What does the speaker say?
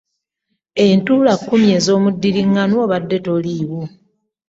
Entuula kkumi ez'omuddiriŋŋanwa obadde toliiwo.